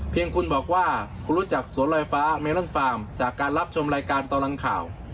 เพียงคุณบอกว่าคุณรู้จักสวนลอยฟ้าเมลอนฟาร์มจากการรับชมรายการตลอดข่าว